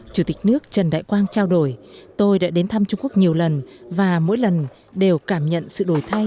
chủ tịch nước trần đại quang trao đổi tôi đã đến thăm trung quốc nhiều lần và mỗi lần đều cảm nhận sự đổi thay